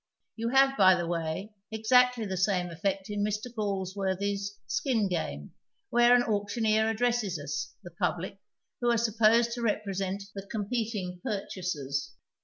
You have, by the way, exactly the same effect in Mr. Galsworthy's Skin Game, where an auctioneer addresses us, the public, who are sup posed to represent the competing purchasers.